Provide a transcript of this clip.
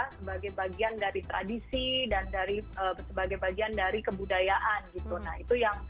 sebagai bagian dari tradisi dan dari sebagian bagian dari kebudayaan gitu